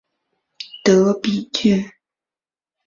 德比郡。